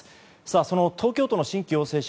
その東京都の新規陽性者